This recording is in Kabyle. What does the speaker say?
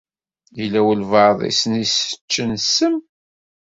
Yella walebɛaḍ i sen-iseččen ssem.